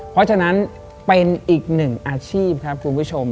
เพราะฉะนั้นเป็นอีกหนึ่งอาชีพครับคุณผู้ชม